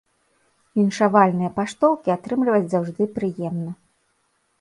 Віншавальныя паштоўкі атрымліваць заўжды прыемна.